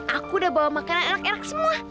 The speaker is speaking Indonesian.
aku udah bawa makanan enak enak semua